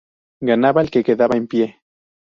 Ganaba el que quedaba en pie.